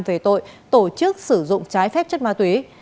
về tội tổ chức sử dụng trái phép chất ma túy